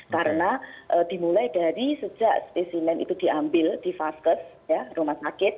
karena dimulai dari sejak spesimen itu diambil di vaskes ya rumah sakit